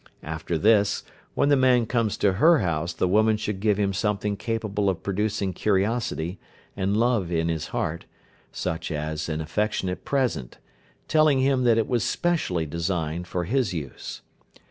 After this, when the man comes to her house the woman should give him something capable of producing curiosity, and love in his heart, such as an affectionate present, telling him that it was specially designed for his use.